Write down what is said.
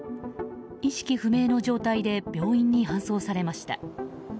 意識不明の状態で病院に搬送されました。